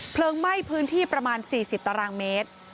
ไหม้พื้นที่ประมาณ๔๐ตารางเมตร